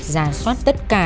giả soát tất cả